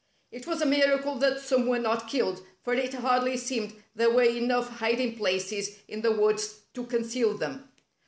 It was a miracle that some were not killed, for it hardly seemed there were enough hiding places in the woods to conceal them.